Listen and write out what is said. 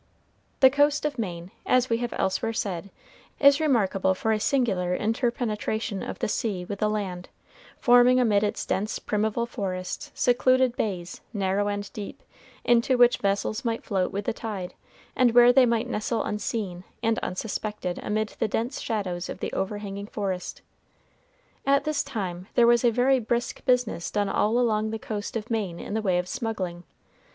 The coast of Maine, as we have elsewhere said, is remarkable for a singular interpenetration of the sea with the land, forming amid its dense primeval forests secluded bays, narrow and deep, into which vessels might float with the tide, and where they might nestle unseen and unsuspected amid the dense shadows of the overhanging forest. At this time there was a very brisk business done all along the coast of Maine in the way of smuggling.